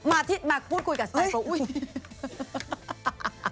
มาพูดคุยกับสไตล์ปุ๊บ